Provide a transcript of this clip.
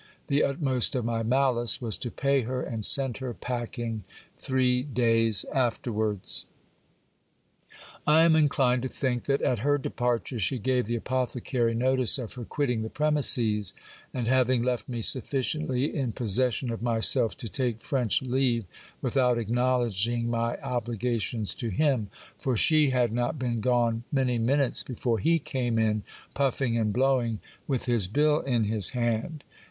The utmost of my malice was to pay her and send her packing three days afterwards. I am inclined to think that at her departure she gave the apothecary notice of her quitting the premises, and having left me sufficiently in possession of my self to take French leave without acknowledging my obligations to him ; for she had not been gone many minutes before he came in puffing and blowing, with his bill in his hand.